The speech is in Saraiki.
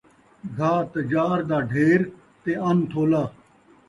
گھاہ تجار دا ڈھیر تے ان تھولا